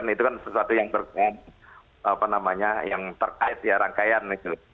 itu kan sesuatu yang terkait ya rangkaian gitu